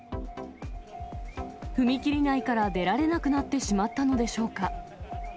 踏切内から出られなくなってしまったのでしょうか。